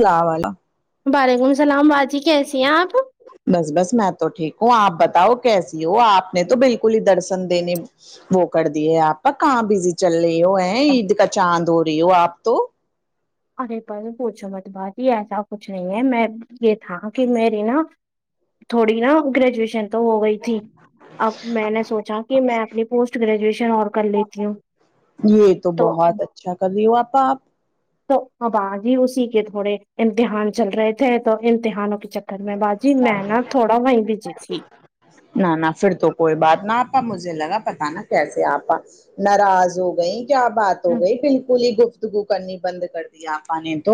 سلا والا وعلیکم السلام باجی کیسی ہیں آپ بس بس میں تو ٹھیک ہوں آپ بتاؤ کیسی ہو آپ نے تو بالکل ہی درشن دینے وہ کر دیے آپا کہاں بزی چل رہی ہو ہے عید کا چاند ہو رہی ہو آپ تو ارے بس پوچھو مت باجی ایسا کچھ نہیں ہے میں یہ تھا کی میرری نا تھوڑی نا گرریجویشن تو ہو گئی تھی اب میں نے سوچا کہ میں اپنی پوسٹ گریجویشن اور کر لیتی ہوں یہ تو بہت اچھا کر رہی ہو آپا آپ تو اب اج ہی اسی کے تھوڑے امتحان چل رہے تھے تو امتحانوں کے چکر میں باجی میں نا تھوڑا وہیں بھیجی تھی نہ نہ پھر تو کوئی بات نہ آپا مجھے لگا پتا نا کیسے آپا ناراض ہو گئی کیا بات ہو گئی بالکل ہی گفتگو کرنی بند کر دی آپا نے تو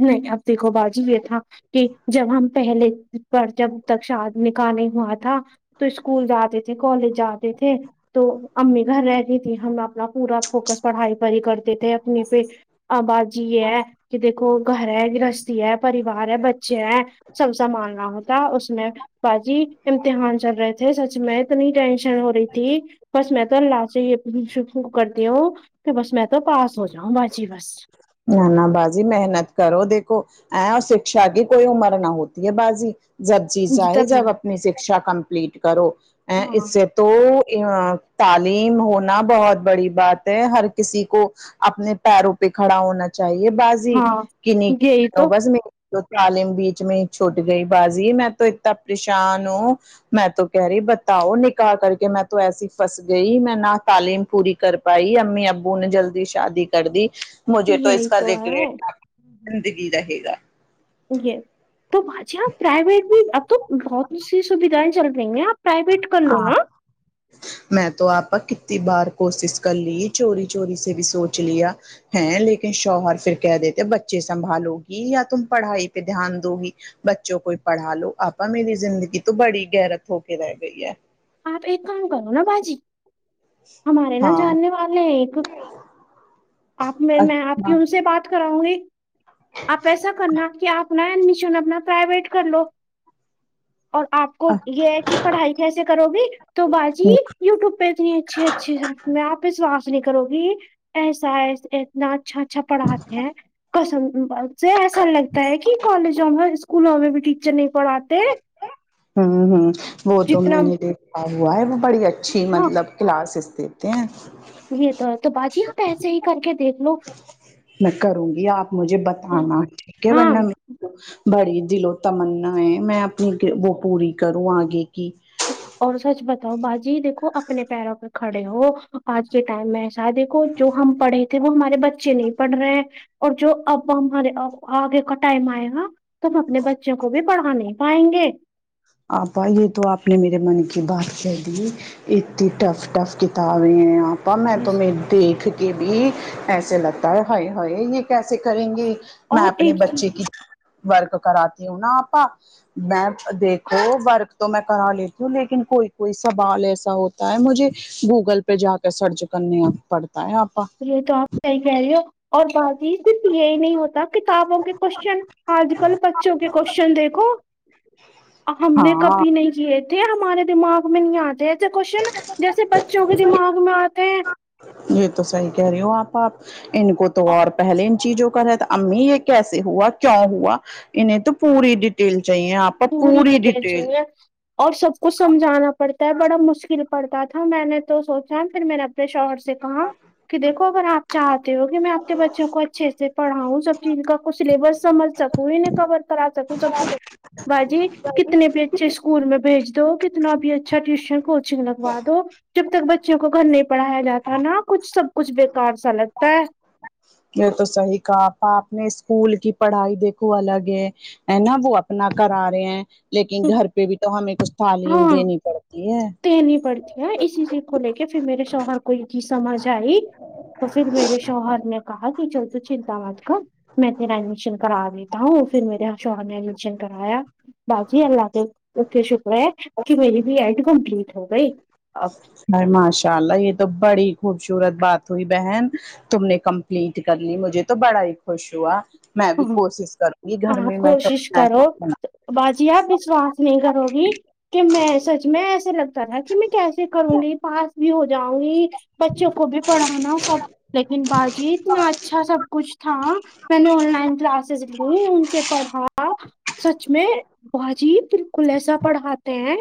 نہیں اب دیکھو بازی یہ تھا کہ جب ہم پہلے پر جب تک شاد نکال نہیں ہوا تھا تو اسکول جاتے تھے کالج جاتے تھے تو امی گھر رہتی تھی ہم اپنا پورا فوکس پڑھائی پر ہی کرتے تھے اپنی پہ ا باجی یے ہے کہ دیکو گھر ہے گھرستی ہے پریوار ہے بچے ہے سبزا مالنا ہوتا اس میں باجی امتحان چل رہے تھے سچ میں اتنی ٹینشن ہو رہی تھی بس میں تو اللہ سے یہ کرتی ہوں تو بس میں تو پاس ہو جاؤں باجی بس نہ نہ باجی محنت کرو دیکھو ا اور سکشا کی کوئی عمر نہ ہوتی ہے باجی جب جی چاہے جب اپنی سکشا کمپلیٹ کرو ا ہاں اس سے تو تعلیم ہونا بہت بڑی بات ہے ہر کسی کو اپنے پیروں پہ کھڑا ہونا چاہیے بازی ہاں یہی تو تو تالم بیچ میں چھوٹ گئی بازی میں تو اتنا پریشان ہوں میں تو کہہ رہی بتاؤ نکاح کر کے میں تو ایسی فس گئی میں نہ تعلیم پوری کر پائی امی ابو نے جلدی شادی کر دی مجھے تو اس یہی کا ہے ریگریٹ زندگی رہے گا اوے تو باجی آپ پرائیویٹ بھی اب تو بہت اسی سویدھائیں چل رہی ہے آپ پرائیویٹ کر لو ہاں نا میں تو آپا کتنی بار کوشش کر لی چوری چوری سے بھی سوچ لیا ہیں لیکن شوہر پھر کہہ دیتے بچے سنبھالو گی یا تم پڑھائی پہ دھیان دو گی بچوں کوئی پڑھا لو آپا میری زندگی تو بڑی گیرک ہو کے رہ گئی ہے آپ ایک کام کرو نا باجی ہمارے نہا ہاں جاننے والے ہیں ایک آپ میں میں آپ کی اچھا ان سے بات کراؤں گی آپ ایسا کرنا کہ آپ اپنا ایڈمیشن اپنا پرائیویٹ کر لو اور آپ کو ہ یہ ہے کہ پڑھائی کیسے ہو گے تو باجی ہ یوٹیوب پہ اتنی اچھی اچھی آپ وشواس نہیں کرو گی ایسا ایس اتنا اچھا اچھا پڑھاتے ہیں کسم سے ایسا لگتا ہے کہ کالجوں میں اسکولوں میں بھی ٹیچر نہیں پڑات ہوں ہوں وہ تو جتنا میں نے دیکھا ہوا ہے وہ بڑی اچھی ہاں مطلب کلاسز دیتے ہیں یہ تو ہے تو باجی آپ ایسے ہی کر کے دے میں کروں گی آپ مجھے بتانا ٹھیک ہے ہاں ورنہ بڑی دل و تمنا ہے میں اپنی وہ پوری کروں آگے کی اور سچ بتاؤ باجی دیکھو اپنے پیروں پہ کھڑے ہو آج کے ٹائم میں دیکھو جو ہم پڑے تھے وہ ہمارے بچے نہیں پڑھ رہے ہیں اور جو اب ہمارے آگے کا ٹائم آئے گا تو ہم اپنے بچوں کو بھی پڑھا نہیں پائیں گے آپا یہ تو آپ نے میرے من کی بات کہ دی اتنی ٹف ٹف کتابیں ہیں آپ میں بس۔ تمہیں دیکھ کے بھی ایسے لگتا ہے ہائے ہائے یہ کیسے کریں گے میں اور اپنے ایک چیز بچے کی ورک کراتتی ہو نا آپا میں دیکھ ہو ورک تو میں کرا لیتی ہوں لیکن کوئی کوئی سوال ایسا ہوتا ہے مجھے گوگل پہ جا کے سرچ کرنے پڑتا ہے آپ یہ تو آپ صی کہہ رہی ہو اور باجی صرف یہی نہیں ہوتا کتابوں کے کوشن آج کل پرچوں کے کوشچن دیکھو ہم نے ہاں کبھی نہیں کیے تھے ہمارے دماغ میں نہیں آتے کوشن جیسے بچوں کے دماغ میں آتے ہیں یہ تو صحیح کہہ رہی ہو آپ آپ ان کو تو اور پہلے چیزوں کر ہے تو امی یہ کیسے ہوا کیا ہوا انہیں تو پوری ڈیٹیل چاہیے آپ کو پوری ڈیٹیل چاہیے اور سب کو سمجھانا پڑتا ہے بڑا مشکل پڑھتا تھا میں نے تو سوچا پھر میں نے اپنے شوہر سے [unintelligible] کے دیکھو اگر آپ چاہتے ہو کہ میں آ کے بچوں کو اچھے سے پڑھاؤں سب چیز کا کچھ سلیبس سمجھ [unintelligible] کتنے بھی اچھے اسکول میں بھیج دو کتنا بھی اچھا ٹیوشن کوچنگ لگوا دو جب تک بچوں کو گھر نہیں پڑھایا جاتا نا کچھ سب کچھ بےکار سا لگتا ہے یہ تو صحیح کہا آ پا آپ نے اسکول کی پڑھائی دیکھو الگ ہے ہے نا وہ اپنا کرا رہے ہیں لیکن گھر پہ بھی تو ہمیں کچھ تعلیم دینی پڑتی ہے تنی پڑتی ہے اسی چیز کو لے کے پھر میرے شوہر کو یہ چیز سمجھ آئی تو پھر میرے شوہر نے کہا کہ چل تو چنتا مت کر میں تیرا ایڈمیشن کرا دیتا ہوں پھر میرے شوہر نے ایڈمیشن کرایا باجی اللہ کے اے شکر ہے کہ میری بھی ایڈ کمپلیٹ ہو گئی ا ماشاء اللہ یہ تو بڑی خوبصورت بات ہوئی بہن تم نے کمپلیٹ کر لی مجھے تو بڑا ہی خوش ہوا میں بھی کوشش کروں گی گھر آپ میں میں کوشش کرو [unintelligible] باجی آپ وشواس نہیں کرو گی کہ میں سچ میں ایسے لگتا تھا کہ میں کیسے کروں گی پاس بھی ہو جاؤں گی بچوں کو بھی پڑھانا سب لیکن باجی اتنا اچھا سب کچھ تھا میں نے آن لائن کلاسز لی ان سے پڑھا سچ میں باجی بالکل ایسا پڑھاتے ہیں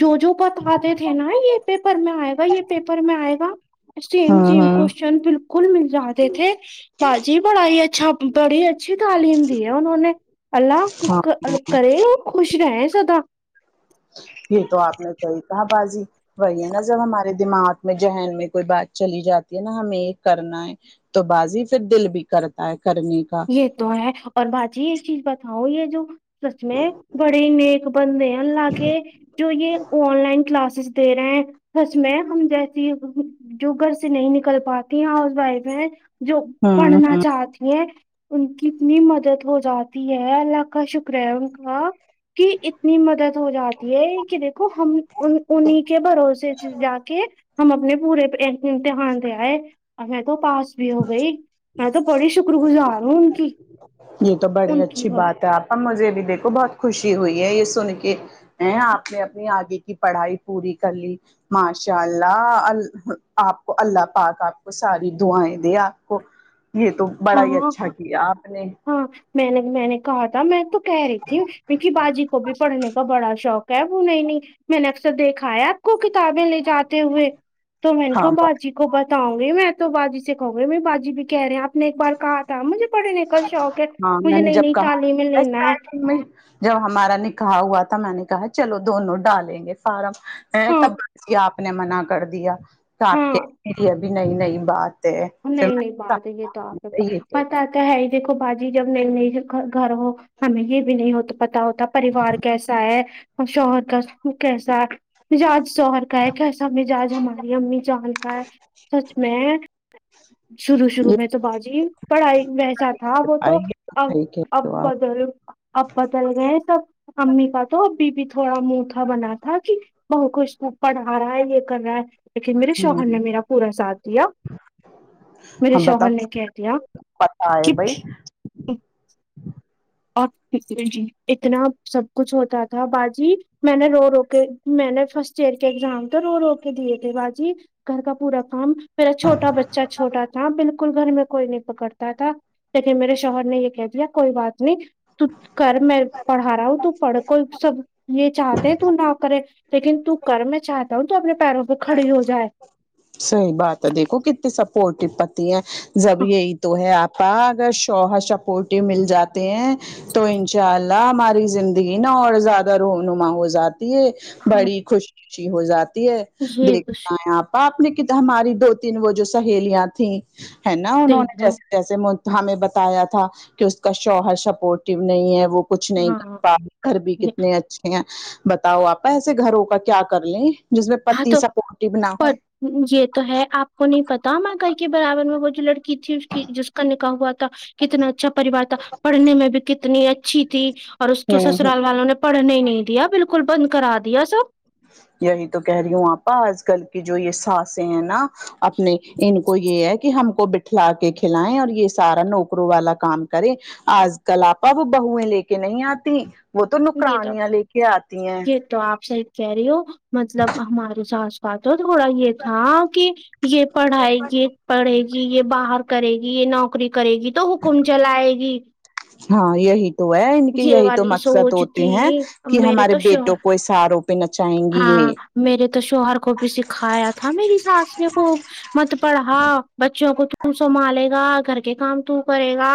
جو جو بتاتے تھے نا یہ پیپر میں آئے گا یہ پیپر میں آئے گا سیم ہوں سیم ہوں کوشن بالکل مل جاتے تھے باجی بڑا ہی اچھا بڑی ہی اچھی تعلیم دی ہے انہوں نے اللہ ہاں کرے وہ خوش رہے سدا یہ تو آپ نے صحی کہ باجی وہی ہے نا جب ہمارے دماغ میں ذہن میں کوئی بات چلی جاتی ہے نا ہمیں یہ کرنا ہے تو بازی پھر دل بھی کرتا ہے کرنے کا یہ تو ہے اور باجی ایک چیز بتاؤ یہ جو سچ میں بڑے نیک بند ہیں لا کے جو یہ آن لائن کلاسز دے رہے ہیں اس میں ہم جیسی جو گھر سے نہیں نکل پاتی ہاؤس وائف ہیں جو ہوں پڑھنا ہوں چاہتی ہیں ان کی اتنی مدد ہو جاتی ہے اللہ کا شکر ہے ان کا کی اتنی مدد ہو جاتی ہے کہ دیکھو ہم انہی کے بھروسے جا کے ہم اپنے پورے امتحان دے آئے ہمیں تو پاس بھی ہو گئی میں تو پڑی شکر گزار ہوں ان کی یہ تو بڑی ان کی اچھی بس بات تو آپا مجھے بھی دیکھو بہت خوشی ہوئی ہے یہ سن کے ا آپ نے اپنی آگے کی پڑھائی پوری کر لی ماشاء اللہ ال آپ کو اللہ پاک آپ کو ساری دعائیں دے آپ کو یہ تو بڑا ہی ہاں اچھا کیا آپ نے ہاں میں نے میں نے کہا تھا میں تو کہہ رہی تھی م کی باجی کو بھی پڑھنے کا بڑا شوق کہ وہ نہیں نہیں میں نے اکثر دیکھا ہے آپ کو کتابیں لے جاتے ہوئے تو میں نے کہ ہاں باجی کو بتاؤں گی میں تو باجی سے کہوں گی باجی بھی کہہ رہے ہیں آپ نے ایک بار کہا مجھے پڑھنے کا شوق ہے ہاں میں مجھے نے نئی جب نئی کہا تعلیمیں لینا ہے اسٹارٹنگ میں جب ہمارا نکاح ہوا تھا میں نے کہا چلو دونوں ڈالیں گے فارم ہے ہاں تب آپ نے منع کر دیا تو آپ ہاں کہ ابھی نئی نئی بات ہے پھر نہیں نہیں بات ہے یہ تو آپ یہ پتہ ہے ہی دیکھو باجی جب نہیں گھر ہو ہمیں یہ بھی نہیں ہوتا پتا ہوتا پریوار کیسا ہے اور شوہر کا کیسا ہے مجج شوہر کا کہ کیسا مزاج ہماری امی جان کا ہے سچ میں شروع شرو میں تو باجی پڑھائی ویسا تھا وہ تو ا اب آپ بدل اب بدل گئے سب امی کا تو ابھی بھی تھوڑا منہ تھا بنا تھا کہ بہو کو اسکول پڑھا رہا ہے یہ کر رہا ہے لیکن میرے شوہر نے میرا پورا ساتھ دیا میرے ہم بتاؤ شوہر نے کہہ دیا پتا ہے کہ بھائی اور جی اتنا سب کچھ ہوتا تھا باجی میں نے رو رو کے میں نے فرسٹ ایئر کے ایگزام تو رو رو کے دیے تھے باجی گھر کا پورا کام میرا چھوٹا بچہ چھوٹا ہاں بالکل گھر میں کوئی نہیں پکڑتا تھا لیکن میرے شوہر نے یہ کہہ دیا کوئی بات نہیں تو کر میں پڑھا رہا ہوں تو پڑھ کو سب یہ چاہتے ہیں تو نہ کرے لیکن تو کر میں چاہتا ہوں تو اپنے پیروں پہ کھڑی ہو جائے صحی بات ہے دیکھو کتنے سب پوٹیپتی ہیں جب ہاں یہی تو ہے آپ ہاں ا اگر شوہر شپولٹیو مل جاتے ہیں تو ان شاء اللہ ہماری زندگی نا اور زیادہ رو نما ہو جاتی ہے ہاں بڑی خوش خشی ہو جاتی ہے یہ تو دیکھنا ہے آپ اپ نے کہ ہماری دو تین وہ جو سہیلیاں تھھی ہے نا انہوں دیکھ نے لو جیسے جیسے ہمیں بتایا تھا کہ اس کا شوہر سپورٹو نہیں ہے وہ کچھ نہیں ہاں کر تا گھر بھی کتنے اچھے بتاؤ آپا ایسے گھروں کا کیا کر لیں جس میں ہاں پتی تو سپورٹو نہ ہو پر یہ تو ہے آپ کو نہیں پتا مکئی کے برابر میں وہ جو لڑکی کی تھی اس کی جس کا نکاح ہوا تھا کتنا اچھا پریوار تھا پڑھنے میں بھی کتنی اچھی تھی اور اس کے ہوں ہ سسرال والوں نے پڑھنے نہیں دیا بالکل بند کرا دیا سب یہی تو کہہ رہی ہوں آپا آج کل کی جو یہ ساسیں ہیں نا اپنے ان کو یہ ہے کہ ہم کو بٹھلا کے کھلائیں اور یہ سارا نوکروں والا کام کریں آج کل آپا وہ بہویں لے کے نہیں آتی وہ تو یہ تو نکرانیاں لے کے آتی ہیں یہ تو آپ صحی کہہ رہی ہو مطلب ہمارے ساس ب تو تھوڑا یہ تھا کہ یہ پڑھائے گی پڑھے گی جی یہ باہر کرے گی یہ نوکری کرے گی تو حکم چلائے گی ہاں یہی تو ہے ان کہ یہ یہی تو والی مقصد ہو سوچ تھی ہیں کہ میرے ہمارے تو شوہر بیٹوں کو اشاروں پے نہ چاہیں گی ہاں یہ میرے تو شوہر کو بھی سکھایا تھا میری ساس نےکوب مت پڑھا بچوں کو تو سنبھالے گا گھر کے کام تو کرے گا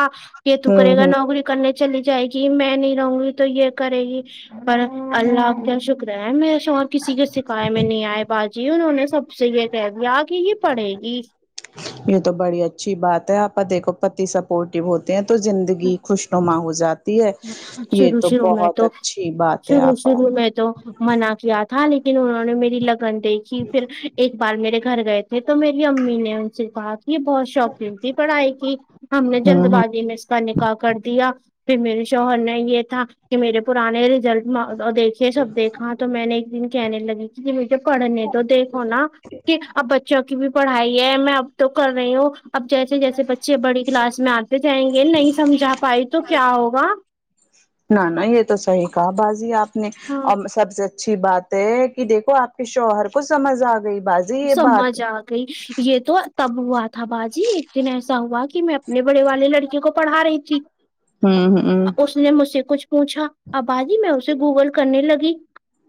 یہ تو ہوں کرے گا ہوں نوکری کرنے چلی جائے گی میں نہیں رہوں گی تو یہ کرے گی پر اللہ کا شکر ہے میرہے شوہر کسی کے سکھایا میں نہیں آئے بع جی انہوں نے سب سے یہ کہہ دیا کہ یہ پڑھے گی یہ تو بڑی اچھی بات ہے آپا دیکھو پتی سب سپورٹیو ہوتے ہیں تو زندگی خوشنما ہو جاتی تی ہے یہ شروع تو شروع میں بہت تو اچھی بات ہے شروع آپا شروع میں تو منع کیا تھا لیکن انہوں نے میری لگن دیکھی پھر ایک بار میرے گھر گئے تھے تو میری امی نے ان سے کہا کہ یہ بہت ش شوقین تھی پڑھائی کی ہم نے جلد ہوں بازی میں اس کا نکاح کر دیا پھر میرے شوہر نے یہ تھا کہ میرے پرانے ریزلٹ ما گا دیکھے سب دیکھا تو میں نے ایک دن کہنے لگی کہ مجھے پڑھنے تو دیکھو نا کہ اب بچوں کی بھی پڑھائی ہے میں اب تو کر رہی ہوں اب جیسے جیسے بچے بڑی کلاس میں آتے جائیں گے نہیں سمجھا پائی تو کیا ہوگا نہ نہ یہ تو صحیح کہا بازی آپ نے ہاں ام سب سے اچھی بات تے ہی کی دیکھو آپ کے شوہر کو سمجھ آ گئی باز سمجھ آ گئی یے تو تب ہوا تھا باجی ایک دن ایسا ہوا کی میں نے بڑے والے لڑکی کو پڑھا رہی تھی ہوں ہوں اس نے مجھ سے کچھ پوچھا آ باجی میں اسے گوگل کرنے لگی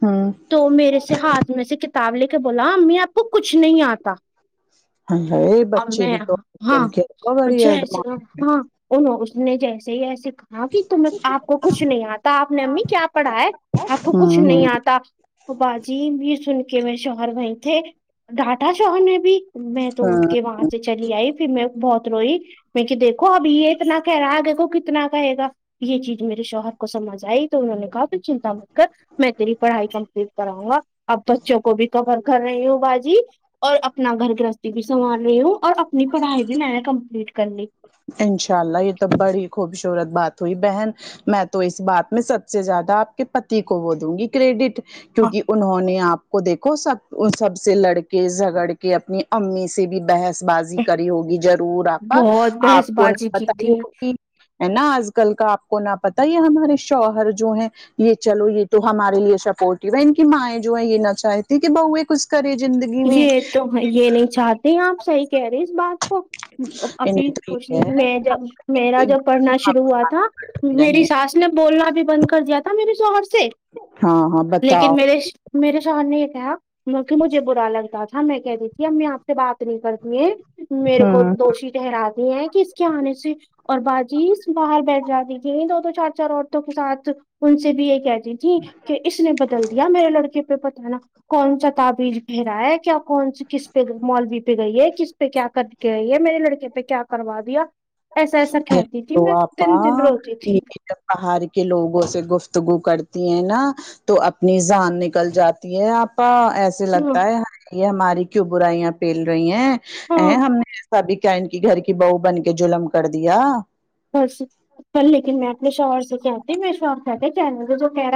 ہوں تو میرے سے ہاتھ میر سے کتاب لے کے بولا امی آپ کو کچھ نہیں آتا ہاں اب بچے میں بھی تو آج ہاں کل کے بڑی اچھا ہے چلو ایڈوانس ہاں انہو اس نے جیسے ہی ایسے ہاں قی تمیں آپ کو کچھ نہیں آتا آپ نے امی کیا پڑھا ہے آپ کو کچھ ہوں نہیں ہوں آتا باجی بھی سن کے میں شوہر وہیں تھے ڈاٹا شوہر نے بھی میں تو اٹھ ہاں کے وہاں سے چلی آئی پھر میں بہت روئی میں کیا دیکھو ابھی یے اتنا کہہ رہا ہے آگے کو کتنا کہے گا یے چیز میرے شوہر کو سمجھ آئی تو انہوں نے کہا تو چنتا مت کر میں تیری پڑھائی کمپلیٹ کراؤں گا اب بچوں کو بھی کور کر رہی ہوں باجی جی اور اپنا گھر گرہستی بھی سنبھال رہی ہوں اور اپنی پڑھائی بھی میں کمپلیٹ کرنی انشاء اللہ یے تو بڑی خوبصورت بات ہوئی بہن میں تو اس بات میں سب سے زیادہ آپ کے پتی کو وہ دوں گی کریڈٹ کیونکی انہوں نے آپ کو دیک کو سب سب سے لڑکے جھگڑ کے اپنی امی سے بھی بحث بازی کری ہوگی ضرور آپا بہت بحث آپا کو بازی نہ کی بتائی تھی ہوگی ہے نا آج کل کا آپ کو نہ پتا ہی ہے یے ہمارے شوہر جو ہیں یے چلو یہ تو ہمارے لیے سپورٹیو ہے ان کی مائیں جو ہے یے نہ چاہیتی کہ بہوئیں کچھ کرے زندگی یے میں تو میں یے نہیں چاہتے ہیں آپ صحیح کہہ رہے اس بات کو ابھی انہیں تو خوش یہ ہے میں جب میرا کہ جب پڑھنا شروع ہوا تھا رہے میری سا ساس نے بولنا بھی بند کر دیا تھا میرے شوہر سے ہاں ہاں بتاؤ لیکن میرے ش میرے شوہر نے یے کہا میں تمھیں مجھے برا لگتا تھا میں کہتی تھی امی آپ سے بات نہیں کرتی ہیں میرے کو ہوں دوشی ٹہرا تی ہیں کی اس کے آنے سے اور باجی صباہر بیٹھ جاتی دو دو چار چار عورتوں کے ساتھ ان سے بھی یے کہہ تی تھیں کہ اس نے بدل دیا میرے لڑکے پے پتا نا کون سا تعابیز پھر ایا کیا کون سی کس پے مولوی پے گئی ہے کس پے کیا کر کے گئی ہے میرے لڑکے پے کیا کروا دیا ایسا ایسا کہتی تھی تو میں آپا تن دن روتی تھی یہ جب باہر کے لوگوں سے گفتگو کرتی ہیں نا تو اپنی جان نکل جاتی ہے آپا ایس اسے ہاں لگتا ہے یے ہماری کیوں برائیاں پیل رہی ہیں اے ہاں ہم نے ایسا بھی کیا ان کی گھر کی بہو بن کے ظلم کر دیا پرسو کل لیکن میں اپنے شوہور سے کہتی میں شوہر کہتے کہنے دو جو کہہ رہا